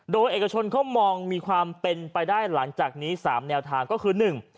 โดยเอกชนเขามองมีความเป็นไปได้หลังจากนี้สามแนวทางก็คือหนึ่ง